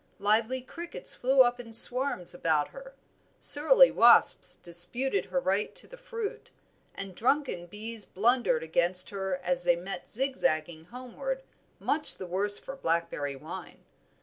Lively crickets flew up in swarms about her, surly wasps disputed her right to the fruit, and drunken bees blundered against her as they met zigzagging homeward much the worse for blackberry wine.